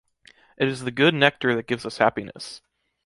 it is the good nectar that gives us happiness!